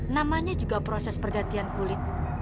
namanya juga proses pergantian kulit